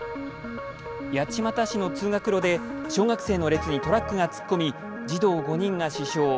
八街市の通学路で小学生の列にトラックが突っ込み児童５人が死傷。